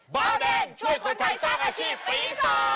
เบาแดงช่วยคนไทยสร้างอาชีพปี๒